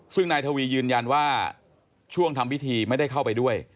ซึ่งนายทวียืนยันว่าช่วงทำพิธีไม่ได้เข้าไปด้วย